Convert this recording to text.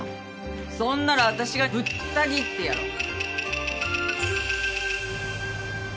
そんならあたしがぶった切ってやろう。